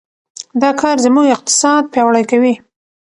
دا کار زموږ اقتصاد پیاوړی کوي.